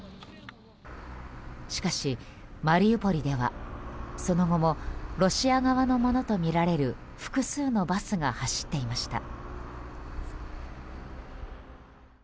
しかし、マリウポリではその後もロシア側のものとみられる複数のバスが走っていました。